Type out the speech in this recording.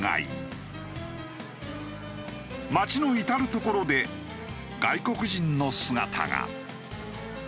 街の至る所で外国人の姿が。